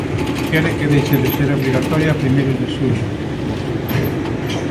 Quere que deixe de ser obrigatoria a primeiros de xullo, Luís.